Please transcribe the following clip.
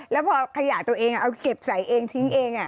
แล้วพอขยะตัวเองเอาเก็บใส่เองทิ้งเอง